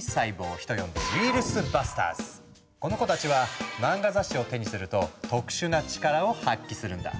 人呼んでこの子たちは漫画雑誌を手にすると特殊な力を発揮するんだ。